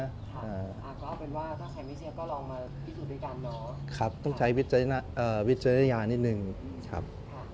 อะก็เอาเป็นว่าถ้าใครไม่เสียก็ลองมาพิสูจน์ด้วยกันเนาะ